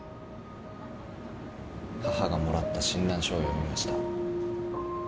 母がもらった診断書を読みました。